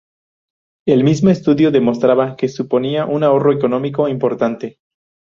El mismo estudio demostraba que suponía un ahorro económico importante.